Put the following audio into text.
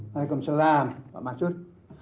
waalaikumsalam pak mansur